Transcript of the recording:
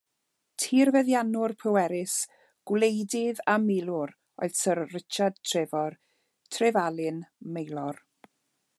Tirfeddiannwr pwerus, gwleidydd a milwr oedd Syr Richard Trefor, Trefalun, Maelor.